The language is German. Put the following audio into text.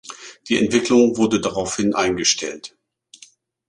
Die Entwicklung wurde daraufhin eingestellt.